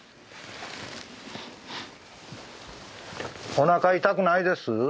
おなか痛くないです？